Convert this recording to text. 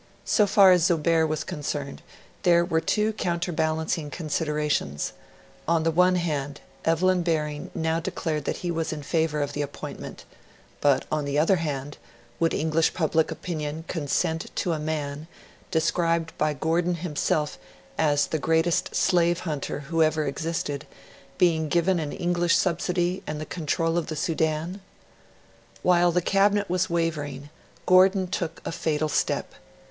So far as Zobeir was concerned, there were two counterbalancing considerations; on the one hand, Evelyn Baring now declared that he was in favour of the appointment; but, on the other hand, would English public opinion consent to a man, described by Gordon himself as 'the greatest slave hunter who ever existed', being given an English subsidy and the control of the Sudan? While the Cabinet was wavering, Gordon took a fatal step.